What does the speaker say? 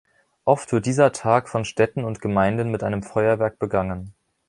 Oft wird dieser Tag von Städten und Gemeinden mit einem Feuerwerk begangen.